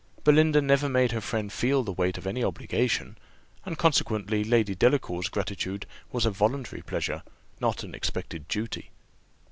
Belinda never made her friend feel the weight of any obligation, and consequently Lady Delacour's gratitude was a voluntary pleasure not an expected duty.